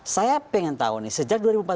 saya pengen tahu nih sejak dua ribu empat belas